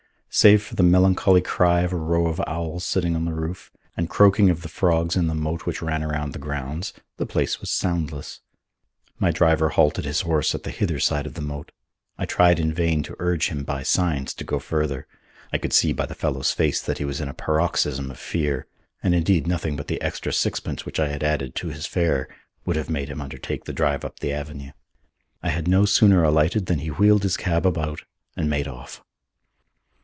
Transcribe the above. Save for the melancholy cry of a row of owls sitting on the roof, and croaking of the frogs in the moat which ran around the grounds, the place was soundless. My driver halted his horse at the hither side of the moat. I tried in vain to urge him, by signs, to go further. I could see by the fellow's face that he was in a paroxysm of fear, and indeed nothing but the extra sixpence which I had added to his fare would have made him undertake the drive up the avenue. I had no sooner alighted than he wheeled his cab about and made off.